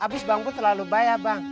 abis bang pur terlalu baya bang